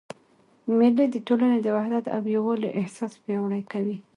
مېلې د ټولني د وحدت او یووالي احساس پیاوړی کوي.